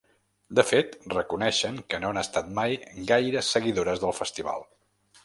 De fet, reconeixen que no han estat mai gaire seguidores del festival.